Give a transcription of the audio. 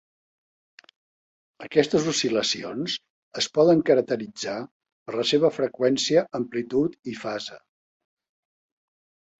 Aquestes oscil·lacions es poden caracteritzar per la seva freqüència, amplitud i fase.